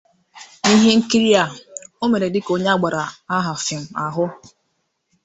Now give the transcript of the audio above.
N'ihe nkiri a, ọ mere dịka onye abara aha fiim ahu.